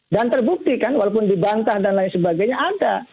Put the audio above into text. dan terbukti kan walaupun di bantah dan lain sebagainya ada